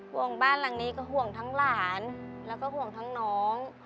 ห่วงบ้านหลังนี้ก็ห่วงทั้งหลานแล้วก็ห่วงทั้งน้อง